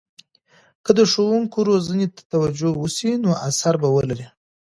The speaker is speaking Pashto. که د ښوونکو روزنې ته توجه وسي، نو اثر به ولري.